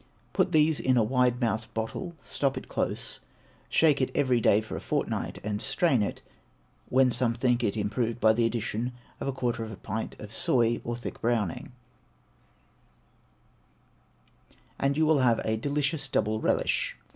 Put these into a wide mouthed bottle, stop it close, shake it every day for a fortnight, and strain it (when some think it improved by the addition of a quarter of a pint of soy or thick browning), and you will have "a delicious double relish."